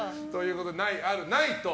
ない、ある、ないと。